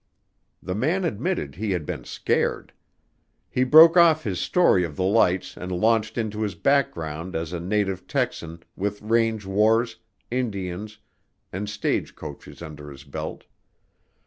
The man admitted he had been scared. He broke off his story of the lights and launched into his background as a native Texan, with range wars, Indians, and stagecoaches under his belt.